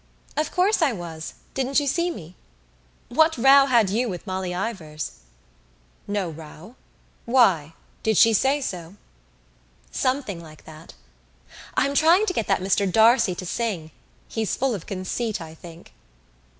"Of course I was. Didn't you see me? What row had you with Molly Ivors?" "No row. Why? Did she say so?" "Something like that. I'm trying to get that Mr D'Arcy to sing. He's full of conceit, I think."